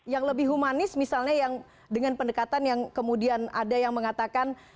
yang lebih humanis misalnya yang dengan pendekatan yang kemudian ada yang mengatakan